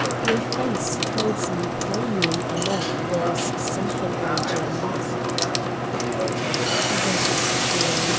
Your face tells me plainly enough there is something urgent." "That is true.